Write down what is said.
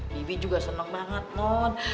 bibik juga seneng banget non